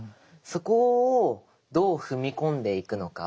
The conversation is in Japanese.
そこをどう踏み込んでいくのか。